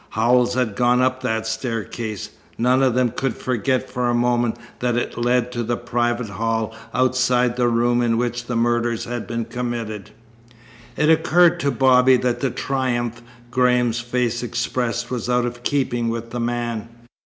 Howells had gone up that staircase. None of them could forget for a moment that it led to the private hall outside the room in which the murders had been committed. It occurred to Bobby that the triumph Graham's face expressed was out of keeping with the man.